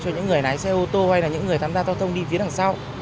cho những người lái xe ô tô hay là những người tham gia giao thông đi phía đằng sau